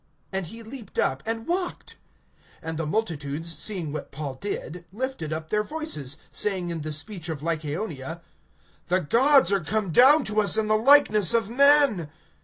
And he leaped up, and walked. (11)And the multitudes, seeing what Paul did, lifted up their voices, saying in the speech of Lycaonia: The gods are come down to us in the likeness of men.